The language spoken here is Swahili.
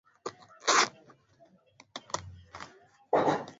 ilibadilishwa jina baada ya kufanyiwa mabadiliko kadhaa